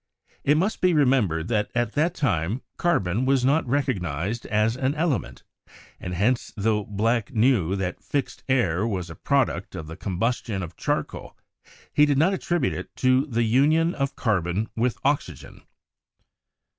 It must be remembered that at that time carbon was not recognised as an element; and hence, tho Black knew that "fixed air" was a product of the combustion of charcoal, he did not attribute it to the union of carbon with oxygen.